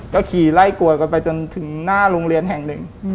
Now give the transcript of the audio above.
ก็ขี่ไล่กวดกันไปจนถึงหน้าโรงเรียนแห่งหนึ่ง